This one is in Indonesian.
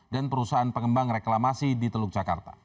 dan perusahaan pengembang reklamasi di teluk jakarta